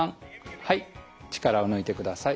はい力を抜いてください。